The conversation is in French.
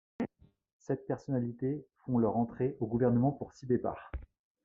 Sept personnalités font leur entrée au gouvernement pour six départs.